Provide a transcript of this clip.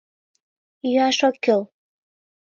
— Йӱаш ок кӱл!